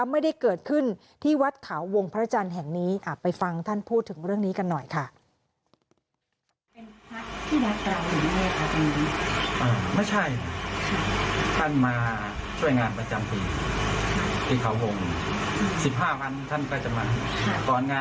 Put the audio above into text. ไม่ได้เกิดขึ้นที่วัดเขาวงพระจันทร์แห่งนี้ไปฟังท่านพูดถึงเรื่องนี้กันหน่อยค่ะ